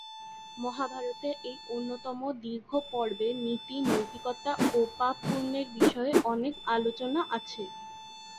মহাভারতের এই অন্যতম দীর্ঘ পর্বে নীতি-নৈতিকতা ও পাপ-পুণ্যের বিষয়ে অনেক আলোচনা আছে।